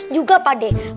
juga pak de pak de